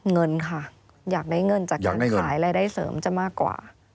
เงินค่ะอยากได้เงินจากการขายรายได้เสริมจะมากกว่า